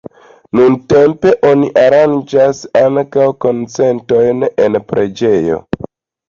Nuntempe oni aranĝas ankaŭ koncertojn en la preĝejo.